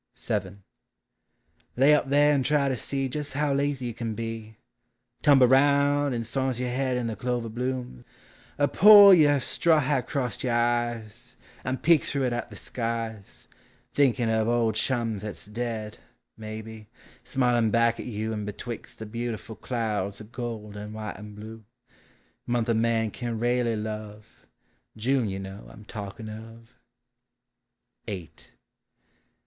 VII. Lay out there and try to see Jes' how Lazy you kin be!— Tumble round and souse yer head In the clover bloom, er pull Yer straw hat acrost yer eyes. And peek through it at the skies, Thinkin' of old chums 'ats dead, Maybe smilin' back a! yon In betwixt the beautiful Clouds o' gold and while and blue!— Month a man kin railly love June, yon know, 1 ni talkin' of! XI II.